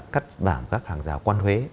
cắt bảng các hàng rào quan huế